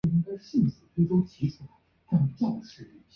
这支远征队是从瓦尔帕莱索出发的。